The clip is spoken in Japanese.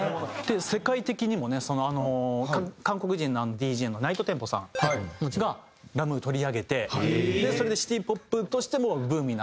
世界的にもね韓国人のＤＪのＮｉｇｈｔＴｅｍｐｏさんがラ・ムーを取り上げてそれでシティポップとしてもブームになってて。